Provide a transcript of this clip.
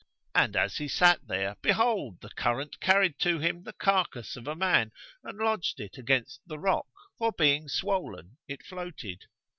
And as he sat there, behold, the current carried to him the carcass of a man, and lodged it against the rock, for being swollen it floated.